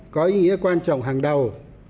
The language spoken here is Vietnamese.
có ý nghĩa quan trọng hàng đầu